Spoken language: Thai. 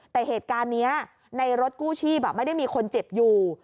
แต่เหตุการณ์นี้ในรถกู้ชีพไม่ได้มีคนเจ็บอยู่